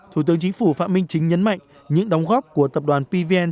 thủ tướng chính phủ phạm minh chính nhấn mạnh những đóng góp của tập đoàn pvn